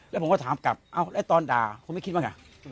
แล้วผมก็ถามกลับแล้วตอนด่าคุณไม่คิดว่าไง